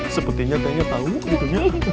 sepertinya tanya tau gitu ya